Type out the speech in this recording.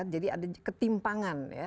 jadi ada ketimpangan